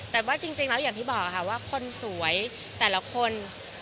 แต่ว่าจริงแล้วอย่างที่บอกค่ะว่าคนสวยแต่ละคน